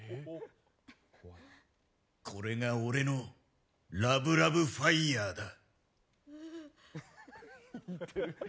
これが俺のラブラブファイヤーだ。